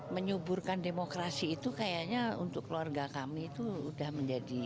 menyuburkan demokrasi itu kayaknya untuk keluarga kami itu udah menjadi